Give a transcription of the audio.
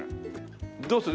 どうする？